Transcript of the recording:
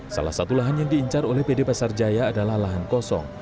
salah satu lahan yang diincar oleh pd pasar jaya adalah lahan kosong